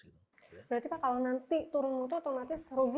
berarti pak kalau nanti turun mutu otomatis rugi